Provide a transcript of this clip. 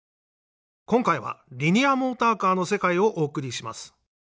今回はリニアモーターカーの世界をお送りします。